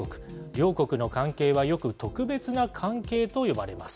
両国の関係はよく、特別な関係と呼ばれます。